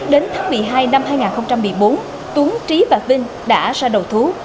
đến tháng một mươi hai năm hai nghìn một mươi bốn tuấn trí và vinh đã ra đầu thú